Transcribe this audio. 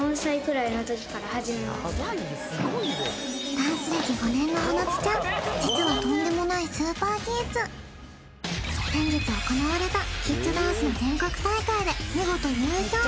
ダンス歴５年のほなつちゃん実はとんでもないスーパーキッズ先月行われたキッズダンスの全国大会で見事優勝